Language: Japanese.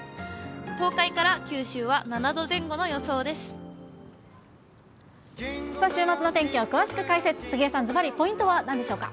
東海から九州は７度前後の予想で週末の天気を詳しく解説、杉江さん、ずばりポイントはなんでしょうか。